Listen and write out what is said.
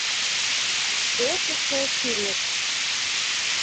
Отысо сӱрет